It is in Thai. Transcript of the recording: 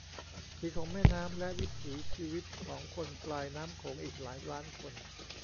สีของแม่น้ำ และวิถีชีวิตของคนปลายน้ำโขงอีกหลายล้านคน